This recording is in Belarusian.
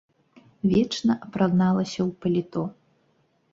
Вечна апраналася ў паліто.